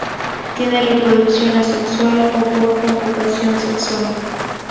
Tiene reproducción asexual o por conjugación sexual.